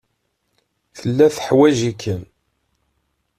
Tella teḥwaj-ikem.